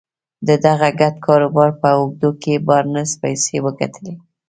د دغه ګډ کاروبار په اوږدو کې بارنس پيسې وګټلې.